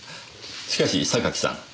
しかし榊さん。